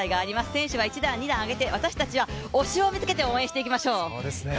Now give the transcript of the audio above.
選手は一段二段上げて私たちは、推しを見つけて応援していきましょう。